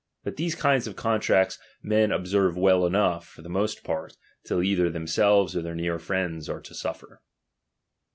But these kind of contracts men observe well Enough, for the most part, till either themselves or tlieir near friends are to suffer.